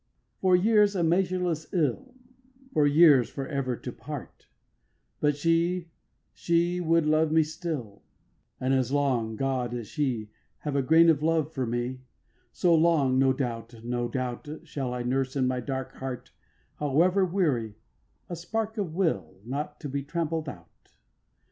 7. For years, a measureless ill, For years, for ever, to part But she, she would love me still; And as long, God, as she Have a grain of love for me, So long, no doubt, no doubt, Shall I nurse in my dark heart, However weary, a spark of will Not to be trampled out.